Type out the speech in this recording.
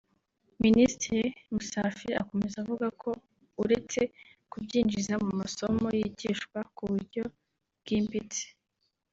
Minisitiri Musafiri akomeza avuga ko uretse kubyinjiza mu masomo yigishwa mu buryo bwimbitse